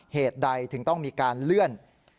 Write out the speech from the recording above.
เหตุใดถึงต้องมีการเลื่อน